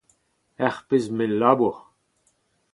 Ur pezh-mell labour !